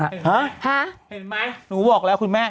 ฮะเห็นไหมหนูบอกแล้วคุณแม่